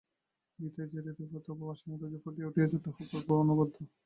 গীতায় যে হৃদয়বত্তা ও ভাষার মাধুর্য ফুটিয়া উঠিয়াছে, তাহা অপূর্ব ও অনবদ্য।